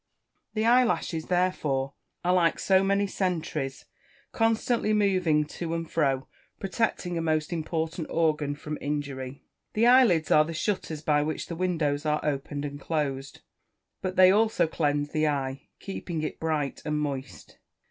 The eyelashes, therefore, are like so many sentries, constantly moving to and fro, protecting a most important organ from injury. The eyelids are the shutters by which the windows are opened and closed. But they also cleanse the eye, keeping it bright and moist.